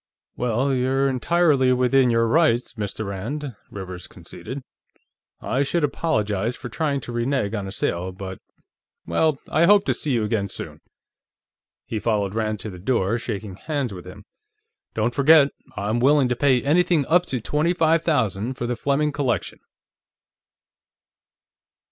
"Well, you're entirely within your rights, Mr. Rand," Rivers conceded. "I should apologize for trying to renege on a sale, but.... Well, I hope to see you again, soon." He followed Rand to the door, shaking hands with him. "Don't forget; I'm willing to pay anything up to twenty five thousand for the Fleming collection."